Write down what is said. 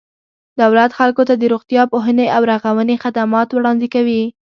دولت خلکو ته د روغتیا، پوهنې او رغونې خدمات وړاندې کوي.